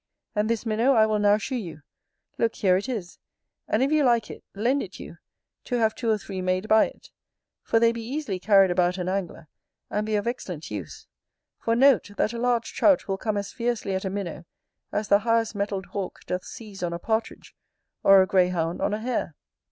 And this minnow I will now shew you; look, here it is, and, if you like it, lend it you, to have two or three made by it; for they be easily carried about an angler, and be of excellent use: for note, that a large Trout will come as fiercely at a minnow as the highest mettled hawk doth seize on a partridge, or a greyhound on a hare.